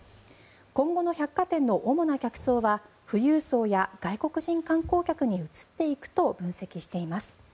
今後の百貨店の主な客層は富裕層や外国人観光客に移っていくと分析しています。